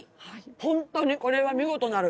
ホントにこれは見事なる。